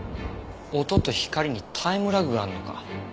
音と光にタイムラグがあるのか。